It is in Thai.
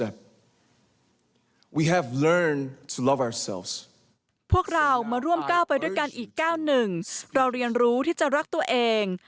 พวกเรามาร่วมก้าวไปด้วยกันอีกก้าวหนึ่งเราเรียนรู้ที่จะรักตัวเอง